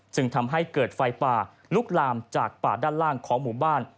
จึงทำให้เกิดไฟป่าลุกลามจากป่าด้านล่างของหมู่บ้าน